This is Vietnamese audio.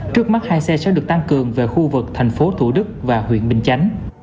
trước mắt hai xe sẽ được tăng cường về khu vực tp thủ đức và huyện bình chánh